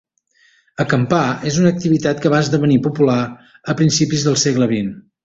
Acampar és una activitat que va esdevenir popular a principi del segle vint.